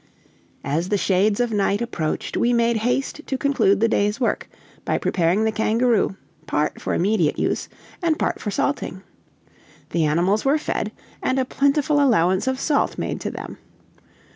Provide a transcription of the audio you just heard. As the shades of night approached, we made haste to conclude the day's work, by preparing the kangaroo, part for immediate use, and part for salting. The animals were fed, and a plentiful allowance of salt made to them.